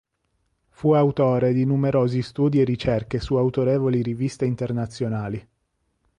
Fu autore di numerosi studi e ricerche su autorevoli riviste internazionali.